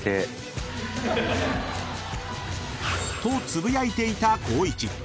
［とつぶやいていた光一］